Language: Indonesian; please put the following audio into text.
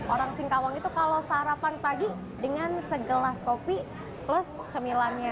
orang singkawang itu kalau sarapan pagi dengan segelas kopi plus cemilannya